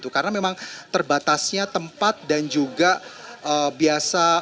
karena memang terbatasnya tempat dan juga biasa